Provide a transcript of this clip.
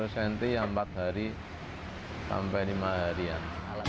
delapan puluh cm empat hari sampai lima harian